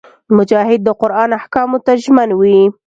مجاهد د قران احکامو ته ژمن وي.